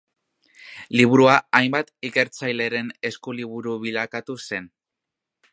Liburua hainbat ikertzaileren eskuliburu bilakatu zen.